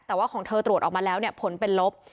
แต่ว่าของเธอตรวจออกมาแล้วเนี่ยผลเป็นลบ